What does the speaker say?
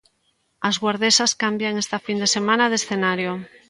As guardesas cambian esta fin de semana de escenario.